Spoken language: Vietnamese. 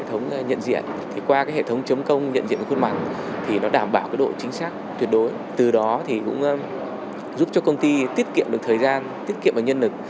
trước đó thì cũng giúp cho công ty tiết kiệm được thời gian tiết kiệm được nhân lực